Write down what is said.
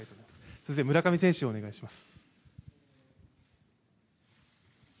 続いて、村上選手お願いします。